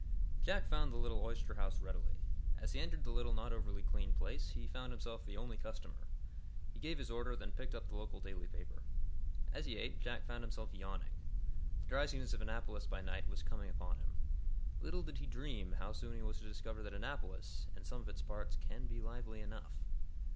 Jack found the oyster house readily. As he entered the little, not over clean place, he found himself the only customer. He gave his order, then picked up the local daily paper. As he ate, Jack found himself yawning. The drowsiness of Annapolis by night was coming upon him. Little did he dream how soon he was to discover that Annapolis, in some of its parts, can be lively enough.